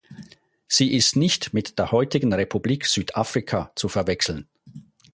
Sie ist nicht mit der heutigen Republik Südafrika zu verwechseln.